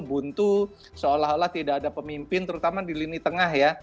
buntu seolah olah tidak ada pemimpin terutama di lini tengah ya